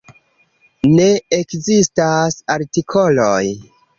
Ne ekzistas artikoloj.